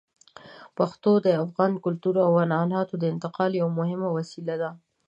پښتو د افغان کلتور او عنعناتو د انتقال یوه مهمه وسیله ده.